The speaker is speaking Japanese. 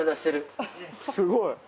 すごい！